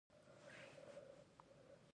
ایا ستاسو ټپونه جوړ شوي دي؟